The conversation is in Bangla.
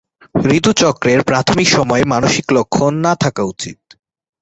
ঋতু চক্রের প্রাথমিক সময়ে মানসিক লক্ষণ না থাকা উচিত।।